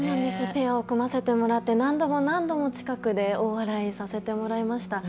ペアを組ませていただいて何度も何度も近くで大笑いさせてもらいました。